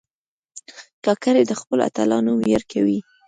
کاکړي د خپلو اتلانو ویاړ کوي.